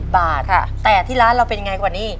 บาทแต่ที่ร้านเราเป็นยังไงกว่านี้